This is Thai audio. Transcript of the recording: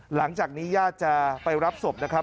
หลังจากนี้ญาติจะไปรับศพนะครับ